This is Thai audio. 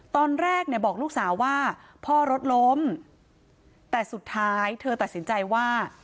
ตอนแรกเนี่ยบอกลูกสาวว่าพ่อรถล้มแต่สุดท้ายเธอตัดสินใจว่า